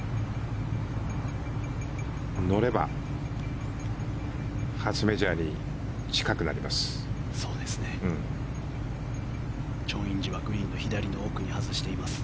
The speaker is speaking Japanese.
乗れば初メジャーに近くなります。